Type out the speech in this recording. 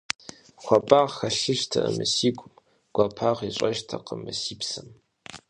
Хуабагъ хэлъыжтэкъэ мы си гум, гуапагъ ищӀэжтэкъэ мы си псэм?